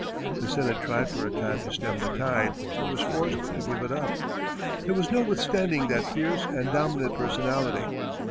The Senate tried for a time to stem the tide, but was forced to give it up. There was no withstanding that fierce and dominant personality.